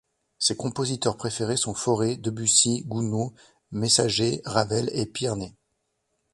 Ses compositeurs préférés sont Fauré, Debussy, Gounod, Messager, Ravel et Pierné.